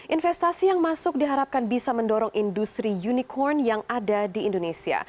investasi yang masuk diharapkan bisa mendorong industri unicorn yang ada di indonesia